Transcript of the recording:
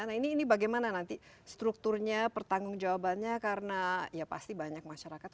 nah ini bagaimana nanti strukturnya pertanggung jawabannya karena ya pasti banyak masyarakat